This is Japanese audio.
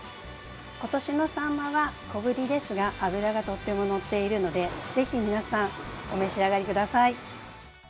今年のサンマは小ぶりですが脂がとってものっているのでぜひ皆さんお召し上がりください。